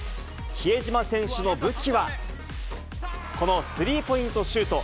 比江島選手の武器は、このスリーポイントシュート。